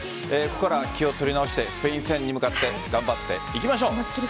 ここからは気を取り直してスペイン戦に向かって頑張っていきましょう。